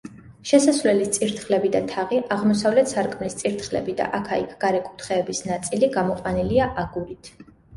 შესასვლელის წირთხლები და თაღი, აღმოსავლეთ სარკმლის წირთხლები და აქა-იქ გარე კუთხეების ნაწილი გამოყვანილია აგურით.